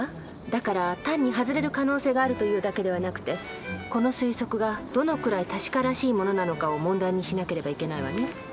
だから単に外れる可能性があるというだけではなくてこの推測がどのくらい確からしいものなのかを問題にしなければいけないわね。